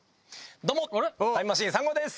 どうもタイムマシーン３号です。